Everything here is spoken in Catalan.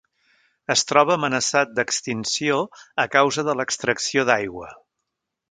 Es troba amenaçat d'extinció a causa de l'extracció d'aigua.